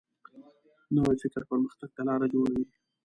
نوی فکر پرمختګ ته لاره جوړوي